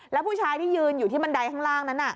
แล้วผู้ชายที่ยืนอยู่ที่บันไดข้างล่างนั้น